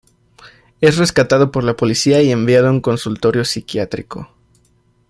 Es rescatado por la policía y enviado a un consultorio psiquiátrico.